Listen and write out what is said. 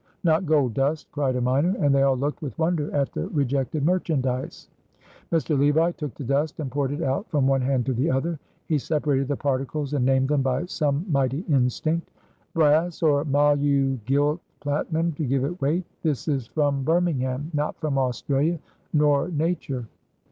"Not gold dust," cried a miner; and they all looked with wonder at the rejected merchandise. Mr. Levi took the dust and poured it out from one hand to the other; he separated the particles and named them by some mighty instinct. "Brass or molu gilt platinum to give it weight; this is from Birmingham, not from Australia, nor nature."